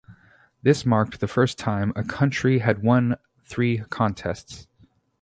This marked the first time a country had won three contests.